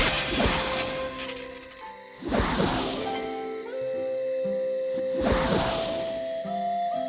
kau bisa mencari penghargaan dan kau bisa mencari kekuatan